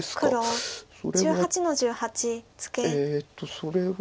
それは。